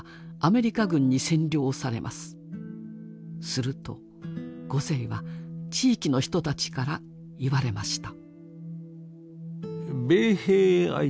するとゴゼイは地域の人たちから言われました。